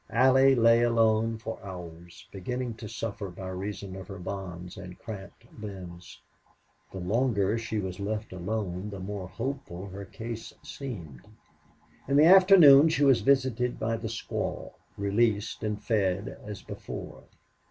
Allie lay alone for hours, beginning to suffer by reason of her bonds and cramped limbs. The longer she was left alone the more hopeful her case seemed. In the afternoon she was visited by the squaw, released and fed as before.